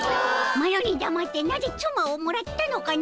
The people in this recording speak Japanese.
マロにだまってなぜつまをもらったのかの！